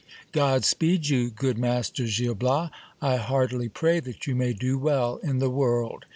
God speed you, good Master Gil Bias ! I heartily pray that you may do well in the world